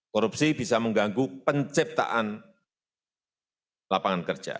korupsi bisa mengganggu penciptaan lapangan kerja